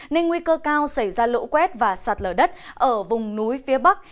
nên nguy cơ cao xảy ra lũ quét và sạt lở đất ở vùng núi phía bắc